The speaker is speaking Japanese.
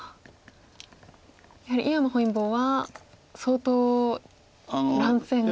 やはり井山本因坊は相当乱戦が。